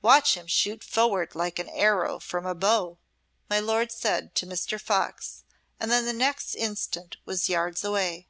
"Watch him shoot forward like an arrow from a bow," my lord said to Mr. Fox, and the next instant was yards away.